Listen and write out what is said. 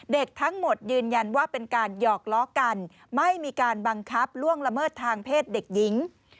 เด็กทั้งหมดยืนยันว่าเป็นการหยอกล้อกันไม่มีการบังคับล่วงละเมิดทางเพศเด็กหญิง